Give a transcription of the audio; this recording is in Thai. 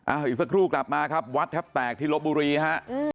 เอาอีกสักครู่กลับมาครับวัดแทบแตกที่ลบบุรีฮะ